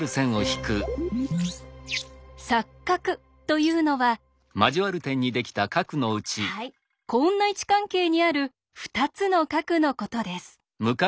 「錯角」というのははいこんな位置関係にある２つの角のことです。